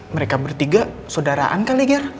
mereka bertiga saudaraan kali ya